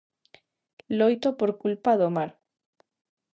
Loito por culpa do mar.